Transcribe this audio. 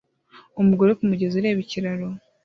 umugore kumugezi ureba ikiraro